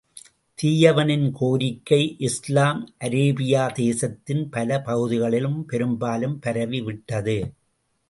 தீயவனின் கோரிக்கை இஸ்லாம், அரேபியா தேசத்தின் பல பகுதிகளிலும் பெரும்பாலும் பரவி விட்டது.